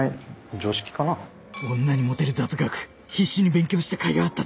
女にモテる雑学必死に勉強したかいがあったぜ